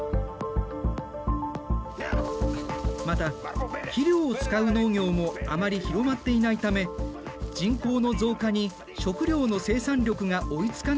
また肥料を使う農業もあまり広まっていないため人口の増加に食料の生産力が追いつかないんだ。